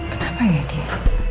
kenapa ya dia